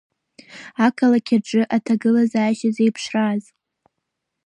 Ақалақь аҿы аҭагылазаашьа зеиԥшраз.